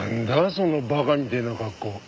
その馬鹿みてえな格好。